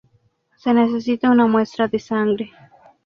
Se necesita una muestra de sangre.